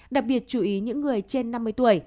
đặc biệt chú ý những người trên năm mươi tuổi